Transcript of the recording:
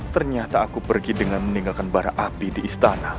ternyata aku pergi dengan meninggalkan bara api di istana